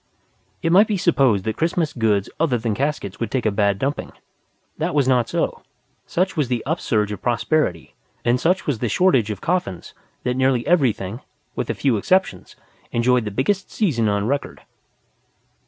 It might be supposed that Christmas goods other than caskets would take a bad dumping. That was not so. Such was the upsurge of prosperity, and such was the shortage of coffins, that nearly everything with a few exceptions enjoyed the biggest season on record.